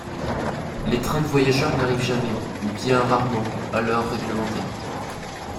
Les trains de voyageurs n'arrivent jamais, ou bien rarement, à l'heure règlementaire.